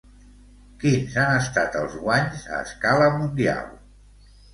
Quins han estat els guanys a escala mundial?